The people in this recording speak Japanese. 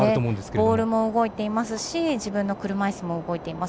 ボールも動いていますし自分の車いすも動いています。